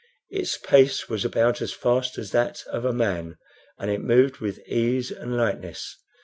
Its pace was about as fast as that of a man, and it moved with ease and lightness.